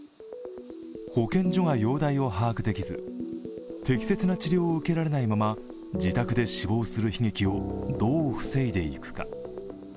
保健所が容体を把握できず適切な治療を受けられないまま自宅で死亡する悲劇をどう防いでいくか。